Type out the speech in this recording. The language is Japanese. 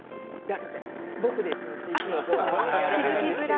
僕ですって。